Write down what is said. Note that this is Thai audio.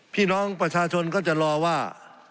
พี่น้องประชาชนก็จะรอว่า